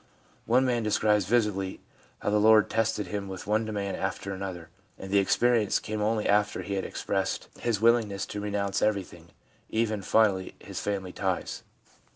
One man describes vividly how the Lord tested him with one demand after another, and the experience came only after he had expressed his willingness to renounce everything — even, finally, his family ties.